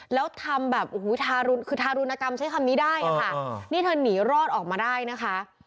แล้วทำแบบโอ้โหทารุณคือทารุณกรรมใช้คำนี้ได้ค่ะนี่เธอหนีรอดออกมาได้นะคะ